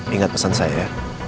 ingat pesan saya ya